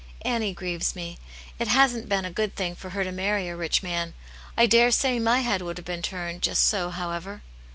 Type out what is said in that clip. " Annie grieves me. It hasn't been a good thing for her to marry a rich man. I daresay my head would have been turned just so, however."